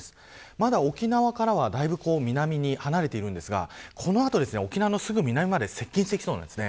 まだ沖縄からはだいぶ南に離れているんですがこの後、沖縄のすぐ南まで接近してきそうなんです。